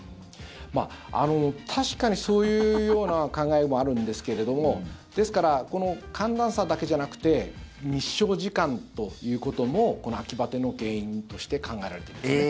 確かにそういうような考えもあるんですけれどもですからこの寒暖差だけじゃなくて日照時間ということもこの秋バテの原因として考えられているんですね。